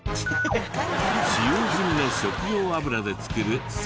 使用済みの食用油で作る石鹸。